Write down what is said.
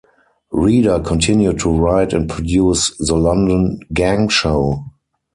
Reader continued to write and produce the London Gang Show.